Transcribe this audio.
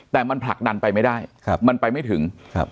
แต่มันผลักดันไปไม่ได้มันไปไม่ถึง